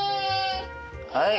はい。